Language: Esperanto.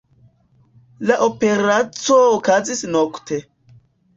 La operaco okazis nokte.